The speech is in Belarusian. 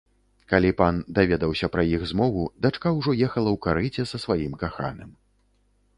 Калі пан даведаўся пра іх змову, дачка ўжо ехала ў карэце са сваім каханым.